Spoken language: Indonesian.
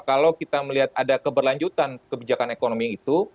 kalau kita melihat ada keberlanjutan kebijakan ekonomi itu